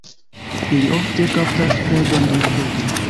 Ili ofte kaptas predon dumfluge.